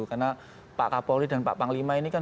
karena pak kapolri dan pak panglima ini kan